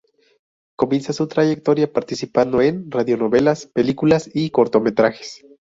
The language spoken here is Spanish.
Comienza su trayectoria participando en radionovelas, películas y cortometrajes.